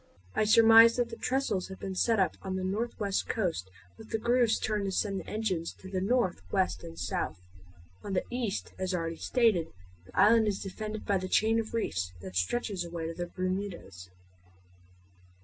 I surmise that the trestles have been set up on the northwest coast with the grooves turned to send the engines to the north, west, and south. On the east, as already stated, the island is defended by the chain of reefs that stretches away to the Bermudas.